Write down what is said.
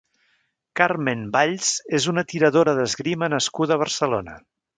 Carmen Valls és una tiradora d'esgrima nascuda a Barcelona.